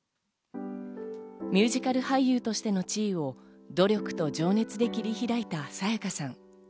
ミュージカル俳優としての地位を努力と情熱で切り開いた沙也加さん。